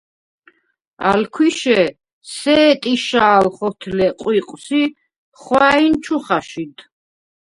ალ ქვიშე სე̄ტიშა̄ლ ხოთლე ყვიყვს ი ხვა̄̈ჲნ ჩუ ხაშიდ.